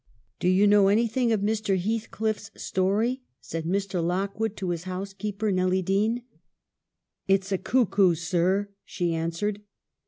" Do you know anything of Mr. Heathcliff's story ?" said Mr. Lockwood to his housekeeper, Nelly Dean. " It's a cuckoo's, sir," she answered.